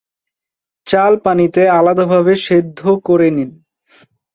চাল পানিতে আলাদাভাবে সেদ্ধ করে নিন।